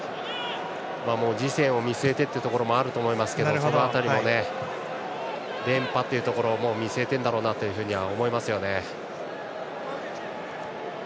次戦を見据えてということもあると思いますがその辺りも連覇というところを見据えているんだろうと思います。